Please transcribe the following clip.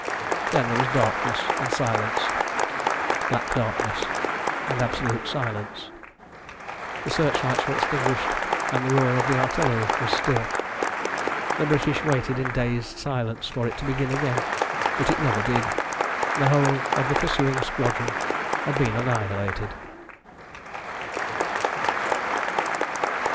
Then there was darkness and silence. Black darkness and absolute silence. The searchlights were extinguished, and the roar of the artillery was still. The British waited in dazed silence for it to begin again, but it never did. The whole of the pursuing squadron had been annihilated.